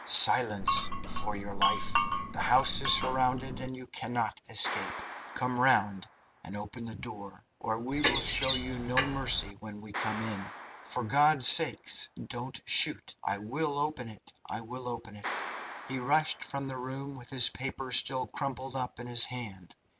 "Silence, for your life! The house is surrounded, and you cannot escape. Come round and open the door, or we will show you no mercy when we come in." "For God's sake, don't shoot! I will open it! I will open it!" He rushed from the room with his paper still crumpled up in his hand.